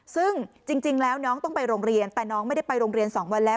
ซึ่งจริงแล้วน้องต้องไปโรงเรียนแต่น้องไม่ได้ไปโรงเรียน๒วันแล้ว